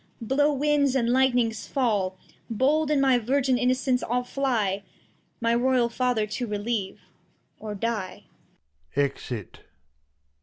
Blow Winds, and Light'nings fall, Bold in my Virgin Innocence, I'll fly My Royal Father to relieve, or die. [Exit [with Arante.